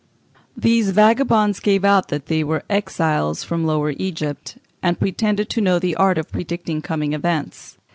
These vagabonds gave out that they were exiles from Lower Egypt, and pretended to know the art of predicting coming events.